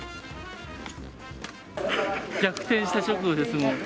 逆転した直後です。